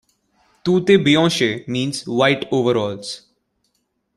Tute Bianche means, "White Overalls".